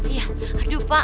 iya aduh pak